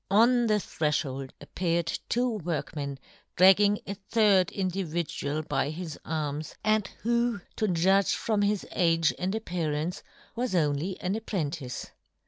On the threfhold ap peared two workmen, dragging a third individual by his arms, and who, to judge from his age and ap pearance, was only an apprentice ; 1 6 yohn Gutenberg.